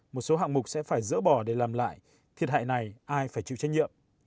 một số hạng mục sẽ phải dỡ bỏ để làm lại thiệt hại này ai phải chịu trách nhiệm